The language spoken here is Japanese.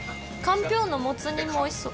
かんぴょうのもつ煮もおいしそう。